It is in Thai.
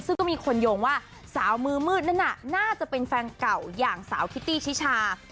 ซึ่งก็มีคนโยงว่าสาวมือมืดนั่นน่ะน่าจะเป็นแฟนเก่าอย่างสาวคิตตี้ชิชา